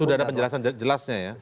sudah ada penjelasan jelasnya ya